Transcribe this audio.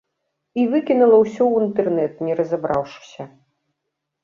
І выкінула ўсё ў інтэрнэт не разабраўшыся.